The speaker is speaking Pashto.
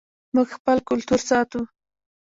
موږ خپل کلتور ساتو